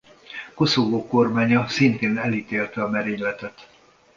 Koszovó kormánya szintén elítélte a merényletet.